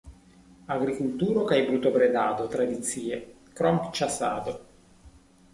Agrikulturo kaj brutobredado tradicie, krom ĉasado.